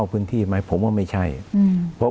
คุณจอมขอบพระคุณครับ